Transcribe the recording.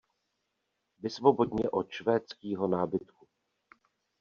Vysvoboď mě od švédskýho nábytku!